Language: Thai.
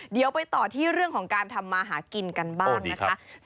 เดี๋ยวไปต่อที่เรื่องของการทำมาหากินกันบ้างนะคะ